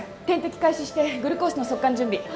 点滴開始してグルコースの側管準備。